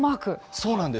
そうなんです。